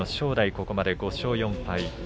ここまで５勝４敗。